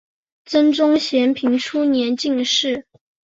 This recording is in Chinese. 真宗咸平初年进士。